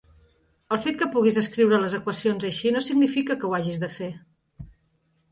El fet que puguis escriure les equacions així no significa que ho hagis de fer.